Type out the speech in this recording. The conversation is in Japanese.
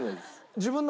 自分の。